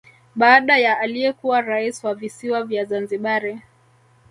Baada ya aliyekuwa rais wa Visiwa vya Zanzibari